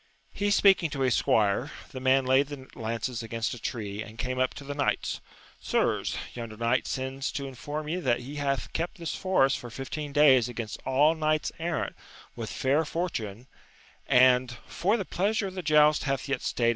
He speaking to his squire, the man laid the lances against a tree, and came up to the knights. — Sirs, yonder knight sends to inform ye that he hath kept this forest for fifteen days against all knights errant with fair for tune, and for the pleasure of the joust hath yet &t&^e>d.